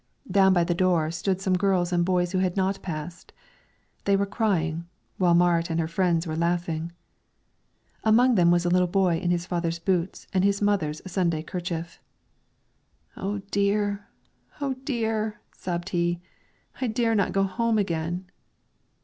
Down by the door stood some girls and boys who had not passed; they were crying, while Marit and her friends were laughing; among them was a little boy in his father's boots and his mother's Sunday kerchief. "Oh, dear! oh, dear!" sobbed he, "I dare not go home again."